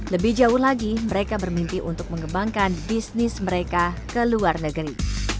lebih jauh lagi mereka bermimpi untuk mengembangkan bisnis mereka ke luar negeri